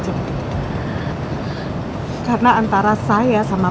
saya mohon kamu jangan pernah nulis saya macem macem